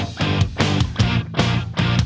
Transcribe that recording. มันอยู่ที่หัวใจ